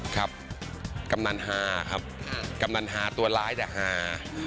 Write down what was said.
กำนันฮาครับกำนันฮาตัวร้ายแต่ฮา